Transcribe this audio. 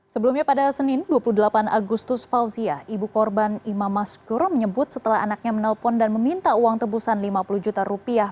sebelumnya pada senin dua puluh delapan agustus fauzia ibu korban imam maskur menyebut setelah anaknya menelpon dan meminta uang tebusan lima puluh juta rupiah